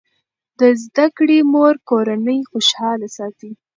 د زده کړې مور کورنۍ خوشاله ساتي.